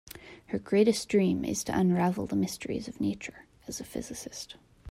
Her greatest dream is to unravel the mysteries of nature as a physicist.